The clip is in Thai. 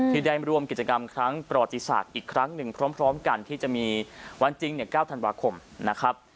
ที่ได้ร่วมกิจกรรมครั้งประวัติศาสตร์อีกครั้งหนึ่งพร้อมกันที่จะมีวันจริง๙ธันวาคมนะครับ